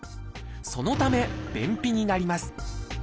そのため便秘になります。